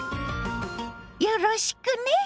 よろしくね！